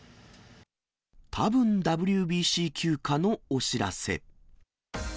たぶんＷＢＣ休暇のお知らせ。